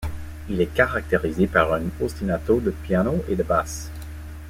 Il est caractérisé par un ostinato de piano et de basse.